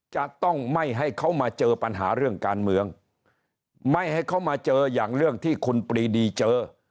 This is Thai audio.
จะต้องไม่ให้เขามาเจอปัญหาเรื่องการเมืองไม่ให้เขามาเจออย่างเรื่องที่คุณปรีดีเจอ